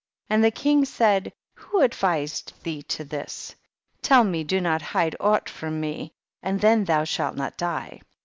15. And the king said, who advi sed thee to this ? Tell me, do not hide aught from me, and theii thou shalt not die.